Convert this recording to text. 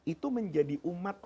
itu menjadi umat